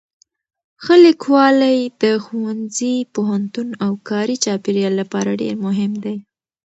ښه لیکوالی د ښوونځي، پوهنتون او کاري چاپېریال لپاره ډېر مهم دی.